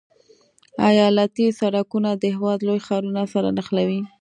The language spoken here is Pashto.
ایالتي سرکونه د هېواد لوی ښارونه سره نښلوي